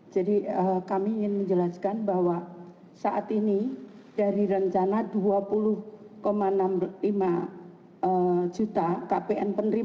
jadi kami ingin menjelaskan bahwa saat ini dari rencana rp dua puluh enam puluh lima juta kpn penerima